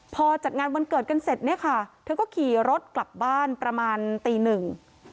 พอจัดงานวันเกิดกันเสร็จเนี่ยค่ะเธอก็ขี่รถกลับบ้านประมาณตีหนึ่ง